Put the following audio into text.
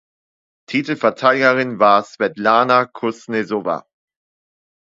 Titelverteidigerin war Swetlana Kusnezowa.